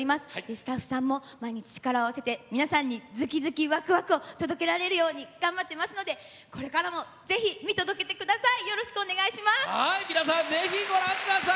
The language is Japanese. スタッフさんも毎日力を合わせて皆さんにズキズキワクワクを届けられるように頑張っていますのでこれからもぜひ、見届けてください。